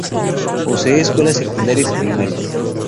Posee escuelas secundarias y primarias.